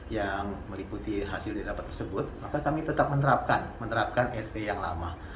yang meliputi hasil diterapkan tersebut maka kami tetap menerapkan menerapkan st yang lama